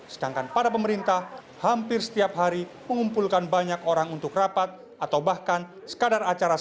sedangkan pada pemerintah hampir setiap hari mengumpulkan banyak orang untuk rapat atau bahkan sekadar acara